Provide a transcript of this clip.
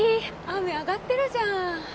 雨上がってるじゃん。